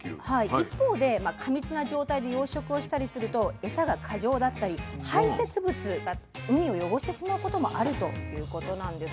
一方で過密な状態で養殖をしたりすると餌が過剰だったり排せつ物が海を汚してしまうこともあるということなんです。